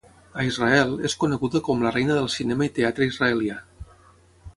A Israel, és coneguda com "la reina del cinema i teatre israelià".